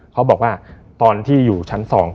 เขาบอกว่าตอนที่อยู่ชั้น๒